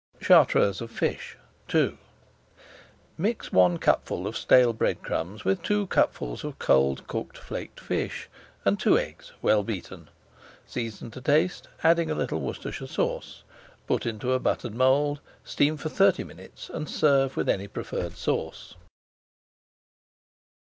CHARTREUSE OF FISH II Mix one cupful of stale bread crumbs with two cupfuls of cold cooked flaked fish and two eggs well beaten. Season to taste, adding a little Worcestershire Sauce. Put into a buttered mould, steam for thirty minutes, and serve with any preferred sauce.